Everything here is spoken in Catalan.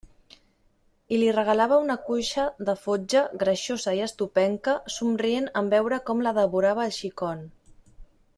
I li regalava una cuixa de fotja, greixosa i estopenca, somrient en veure com la devorava el xicon.